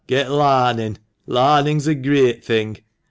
— get laming ! Larning's a great thing.